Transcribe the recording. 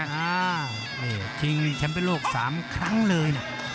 อ้าวจริงแชมเป็นโลก๓ครั้งเลยนะ